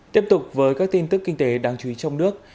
tiếp tục với các tin tức kinh tế đáng chú ý trong nước